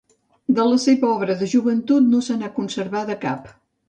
De la seva obra de joventut no se n'ha conservada cap.